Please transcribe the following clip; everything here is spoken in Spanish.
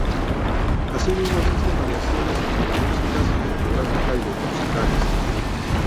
Asimismo, existen variaciones como la música cinematográfica y los musicales.